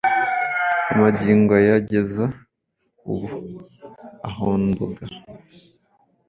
Amagingo ayageza ubu.ahondoga